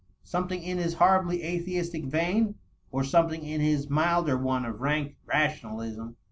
"Something in his horribly atheistic vein, or something in his milder one of rank rationalism